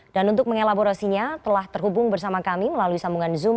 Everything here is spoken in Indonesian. dan untuk mengelaborasinya telah terhubung bersama kami melalui sambungan zoom